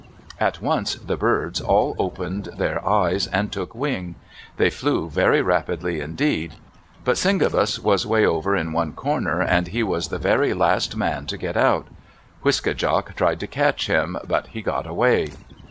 At once the birds all opened their eyes and took wing. They flew very rapidly indeed. But Cyngabis was way over in one corner and he was the very last man to get out. Wiske djak tried to catch him, but he got away.